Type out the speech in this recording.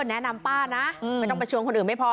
แนะนำป้านะไม่ต้องประชวนคนอื่นไม่พอ